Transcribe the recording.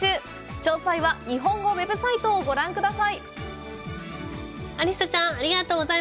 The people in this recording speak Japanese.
詳細は日本語ウェブサイトをご覧ください。